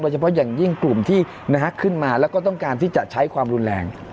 เฉพาะอย่างยิ่งกลุ่มที่ขึ้นมาแล้วก็ต้องการที่จะใช้ความรุนแรง